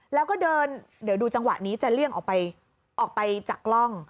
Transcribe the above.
แล้วก็เดินเดี๋ยวดูจังหวะนี้จะเลี่ยงออกไปออกไปจากกล้อง